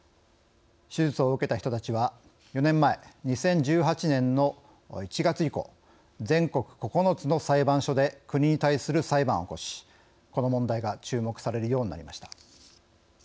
手術を受けた人たちは４年前２０１８年の１月以降全国９つの裁判所で国に対する裁判を起こしこの問題が注目されるようになりました。